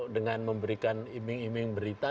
dengan memberikan iming iming berita